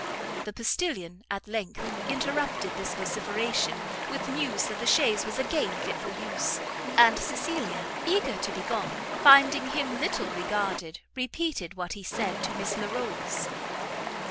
The postilion, at length, interrupted this vociferation with news that the chaise was again fit for use; and Cecilia, eager to be gone, finding him little regarded, repeated what he said to Miss Larolles.